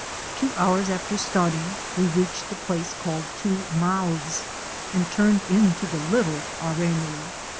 Two hours after starting we reached the place called Two Mouths and turned into the Little Aremu.